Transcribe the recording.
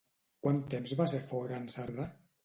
Quant temps va ser fora en Cerdà?